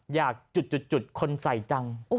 อยากจุดคนใส่จัง